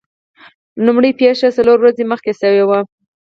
لومړۍ پیښه څلور ورځې مخکې شوې وه.